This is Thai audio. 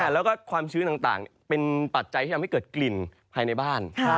แล้วก็ความชื้นต่างเป็นปัจจัยที่ทำให้เกิดกลิ่นภายในบ้าน